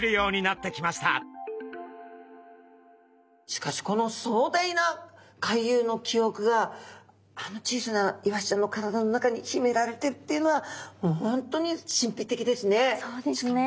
しかしこの壮大な回遊のきおくがあの小さなイワシちゃんの体の中にひめられてるっていうのはもう本当に神秘的ですね。